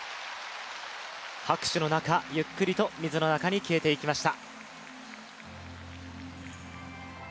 拍手の中、ゆっくりと水の中に消えていきました。